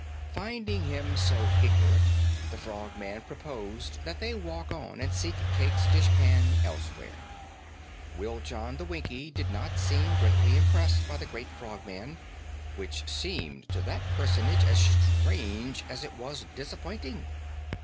Finding him so ignorant, the Frogman proposed that they walk on and seek Cayke's dishpan elsewhere. Wiljon the Winkie did not seem greatly impressed by the great Frogman, which seemed to that personage as strange as it was disappointing.